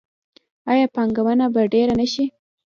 آیا پانګونه به ډیره نشي؟